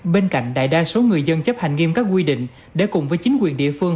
bên cạnh đại đa số người dân chấp hành nghiêm các quy định để cùng với chính quyền địa phương